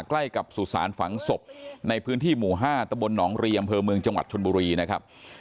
ใกล้กับสุสานฝังศพในพื้นที่หมู่๕ตะบลหนองรีอำเภอเมืองจังหวัดชนบุรีนะครับ